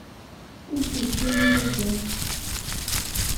Amek yettili baba-k?